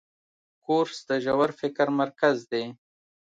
کورس د ژور فکر مرکز دی.